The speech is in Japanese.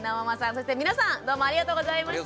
そして皆さんどうもありがとうございました。